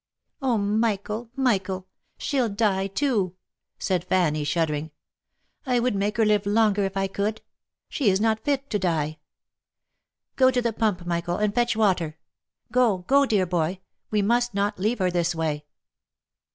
" Oh ! Michael! Michael! she'll die too !" said Fanny shuddering. " I would make her live longer if I could. She is not fit to die. Go to the pump, Michael, and fetch water ! Go, go, dear boy. We must not leave her this way